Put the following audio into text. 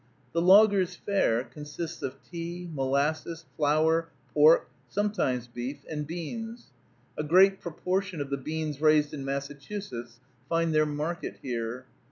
The logger's fare consists of tea, molasses, flour, pork (sometimes beef), and beans. A great proportion of the beans raised in Massachusetts find their market here.